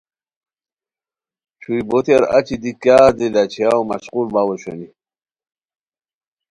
چھوئی بوتیار اچی دی کیاغ دی لا چھیاؤ مشقول باؤ اوشونی